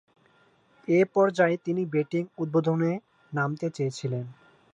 এ পর্যায়ে তিনি ব্যাটিং উদ্বোধনে নামতে চেয়েছিলেন।